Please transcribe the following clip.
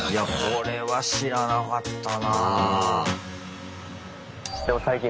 これは知らなかったなあ。